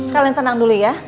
kalian tenang dulu ya